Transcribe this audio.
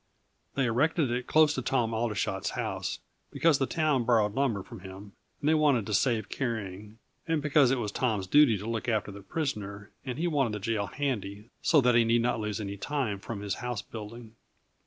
They erected it close to Tom Aldershot's house, because the town borrowed lumber from him and they wanted to save carrying, and because it was Tom's duty to look after the prisoner, and he wanted the jail handy, so that he need not lose any time from his house building.